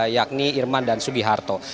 yakni irman dan sugi harto